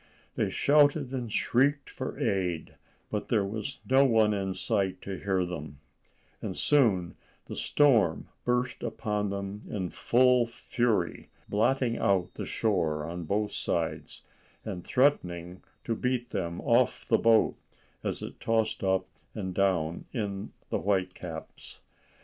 They shouted and shrieked for aid, but there was no one in sight to hear them, and soon the storm burst upon them in full fury, blotting out the shore on both sides, and threatening to beat them off the boat as it tossed up and down in the white caps.